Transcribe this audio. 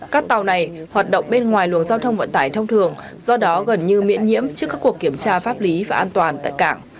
các tàu này hoạt động bên ngoài luồng giao thông vận tải thông thường do đó gần như miễn nhiễm trước các cuộc kiểm tra pháp lý và an toàn tại cảng